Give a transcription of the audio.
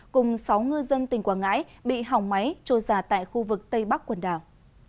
cùng sáu ngư dân tỉnh quảng ngãi bị hỏng máy trôi giả tại khu vực tây bắc quần đảo